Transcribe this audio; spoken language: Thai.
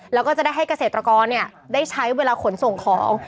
แล้วก็จะได้ให้เกษตรกรได้ใช้เวลาขนส่งของ